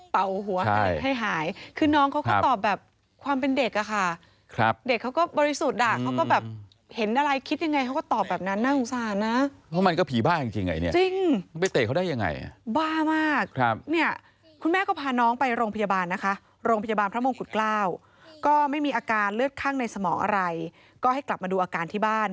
เผื่อเขาช่วยจับได้ค่ะก็บอกว่าไงหลอบพอวิ่งไปก็หายแล้วค่ะ